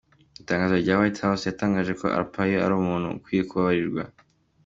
Mu itangazo rya White House, yatangaje ko Arpaio ari umuntu ukwiye kubabarirwa.